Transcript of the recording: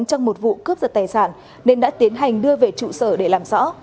trong một vụ cướp giật tài sản nên đã tiến hành đưa về trụ sở để làm rõ